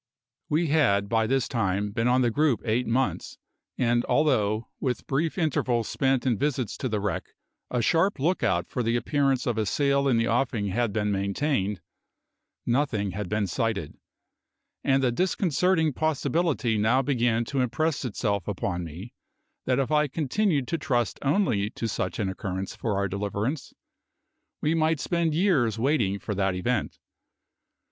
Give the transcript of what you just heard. We had by this time been on the group eight months; and although, with brief intervals spent in visits to the wreck, a sharp look out for the appearance of a sail in the offing had been maintained, nothing had been sighted; and the disconcerting possibility now began to impress itself upon me that if I continued to trust only to such an occurrence for our deliverance we might spend years waiting for that event.